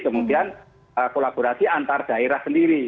kemudian kolaborasi antar daerah sendiri